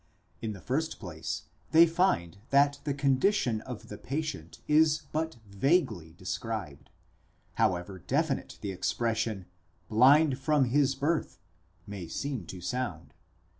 In the first place, they find that the condition of the patient is but vaguely described, however definite the expression, d/ind from his birth, τυφλὸν ἐκ γενετῆς may seem tosound.